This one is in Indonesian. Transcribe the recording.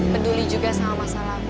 peduli juga sama masalah